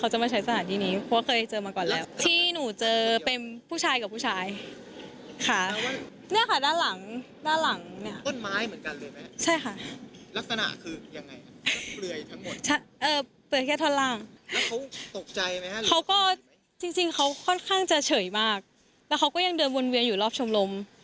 จริงเขาค่อนข้างจะเฉยมากแล้วเขาก็ยังเดินวนเวียนอยู่รอบชมรม